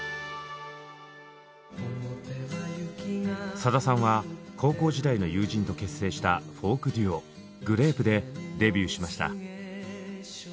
さださんは高校時代の友人と結成したフォークデュオ「グレープ」でデビューしました。